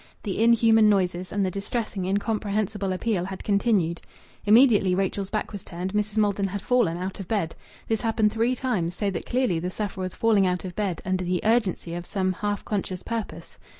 The inhuman noises and the distressing, incomprehensible appeal had continued. Immediately Rachel's back was turned Mrs. Maldon had fallen out of bed. This happened three times, so that clearly the sufferer was falling out of bed under the urgency of some half conscious purpose.